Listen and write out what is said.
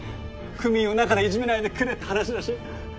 組員を中でいじめないでくれって話らしい。